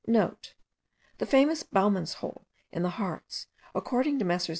*(* The famous Baumannshohle in the Hartz, according to Messrs.